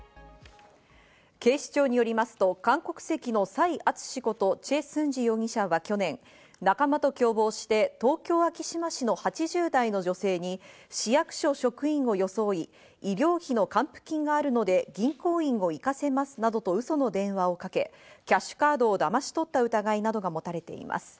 警視庁によりますと韓国籍の蔡淳志ことチェ・スンジ容疑者は去年、仲間と共謀して、東京・昭島市の８０代の女性に市役所職員を装い、医療費の還付金があるので銀行員を行かせますなどと、ウソの電話をかけ、キャシュカードをだまし取った疑いなどが持たれています。